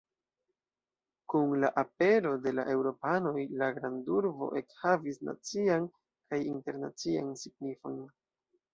Kun la apero de la eŭropanoj la grandurbo ekhavis nacian kaj internacian signifojn.